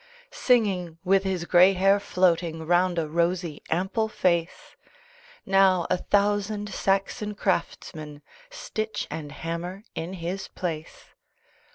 Singing, with his gray hair floating Round a rosy ample face, Now a thousand Saxon craftsmen Stitch and hammer in his place.